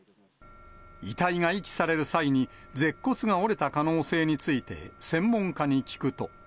遺体が遺棄される際に、舌骨が折れた可能性について、専門家に聞くと。